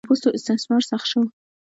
د تور پوستو استثمار سخت شو.